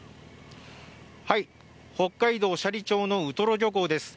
北海道斜里町のウトロ漁港です。